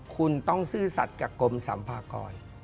คุณต้องซื่อสัตว์กับกรมสัมภากร